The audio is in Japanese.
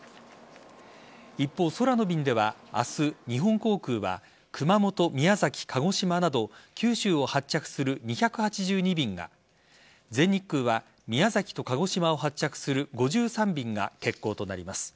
一方、空の便では明日日本航空は熊本、宮崎、鹿児島など九州を発着する２８２便が全日空は宮崎と鹿児島を発着する５３便が欠航となります。